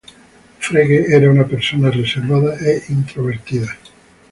Frege era una persona reservada e introvertida.